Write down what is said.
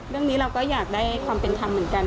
เรื่องนี้เราก็อยากได้ความเป็นธรรมเหมือนกัน